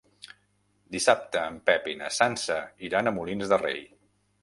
Dissabte en Pep i na Sança iran a Molins de Rei.